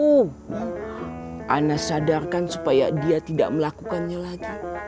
ana sadarkan supaya dia tidak melakukannya lagi